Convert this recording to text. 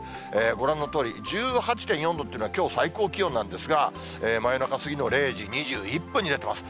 ご覧のとおり１８．４度というのは、きょう最高気温なんですが、真夜中過ぎの０時２１分に出ています。